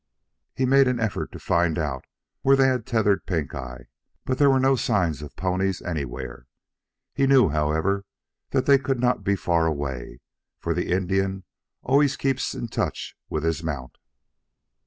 He made an effort to find out where they had tethered Pink eye, but there were no signs of ponies anywhere. He knew, however, that they could not be far away, for the Indian always keeps in touch with his mount.